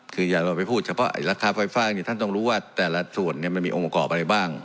คืออย่างเราไปพูดเฉพาะราคาไฟฟ้าท่านต้องรู้ว่าแต่ละส่วนมันมีองค์ประกอบอะไรบ้าง